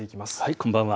こんばんは。